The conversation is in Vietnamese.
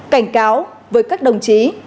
cảnh cáo với các đồng chí